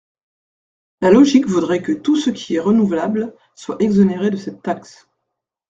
La logique voudrait que tout ce qui est renouvelable soit exonéré de cette taxe.